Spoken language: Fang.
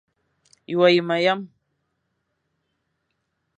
Ye wa yeme yame.